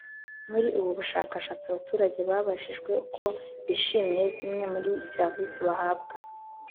Muri ubu bushakashatsi abaturage babajijwe uko bishimiye zimwe muri serivisi bahabwa